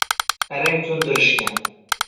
Arang ko`ndirishgan